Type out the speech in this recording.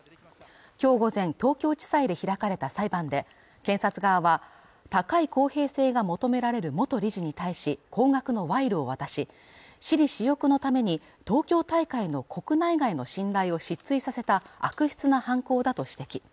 きょう午前東京地裁で開かれた裁判で検察側は高い公平性が求められる元理事に対し高額の賄賂を渡し私利私欲のために東京大会の国内外の信頼を失墜させた悪質な犯行だと指摘